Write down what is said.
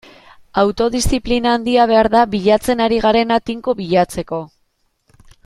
Autodiziplina handia behar da bilatzen ari garena tinko bilatzeko.